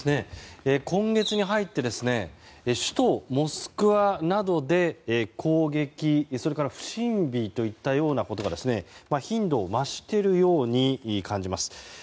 今月に入って首都モスクワなどで攻撃、それから不審火といったようなことが頻度を増しているように感じます。